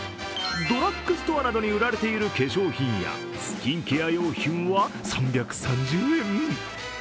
ドラッグストアなどに売られている化粧品やスキンケア用品は３３０円。